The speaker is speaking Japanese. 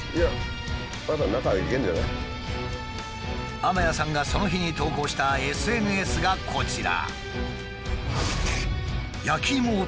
天谷さんがその日に投稿したＳＮＳがこちら。